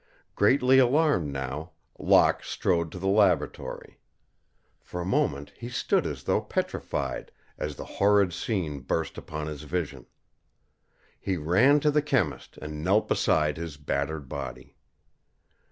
Greatly alarmed now, Locke strode to the laboratory. For a moment he stood as though petrified as the horrid scene burst upon his vision. He ran to the chemist and knelt beside his battered body.